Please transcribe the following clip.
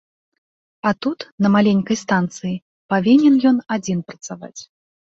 А тут, на маленькай станцыі, павінен ён адзін працаваць.